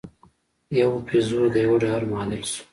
یو پیزو د یوه ډالر معادل شو.